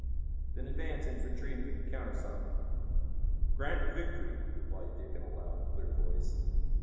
"Then advance infantry and give the countersign." "Grant and Victory," replied Dick in a loud, clear voice.